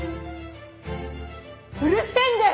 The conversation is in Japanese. うるせぇんだよ